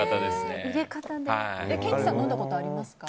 ケンチさんは飲んだことありますか？